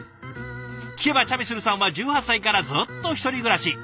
聞けばチャミスルさんは１８歳からずっと１人暮らし。